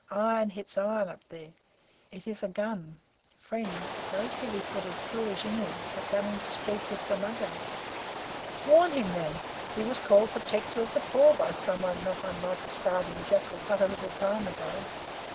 Iron hits iron up there! It is a gun! Friend, those heavy footed, foolish English are coming to speak with the Mugger." "Warn him, then. He was called Protector of the Poor by some one not unlike a starving Jackal but a little time ago."